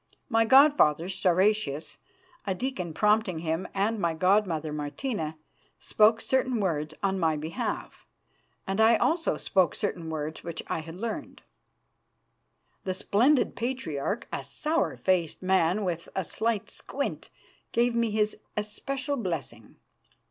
My god father, Stauracius, a deacon prompting him, and my god mother, Martina, spoke certain words on my behalf, and I also spoke certain words which I had learned. The splendid Patriarch, a sour faced man with a slight squint, gave me his especial blessing.